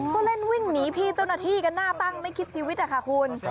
ก็เล่นวิ่งหนีพี่เจ้าหน้าที่กันหน้าตั้งไม่คิดชีวิตค่ะคุณ